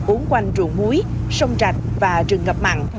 uống quanh rượu múi sông trạch và rừng ngập mặn